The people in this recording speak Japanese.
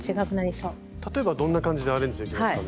例えばどんな感じでアレンジできますかね？